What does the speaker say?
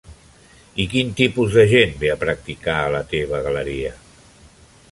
I quin tipus de gent ve a practicar a la teva galeria?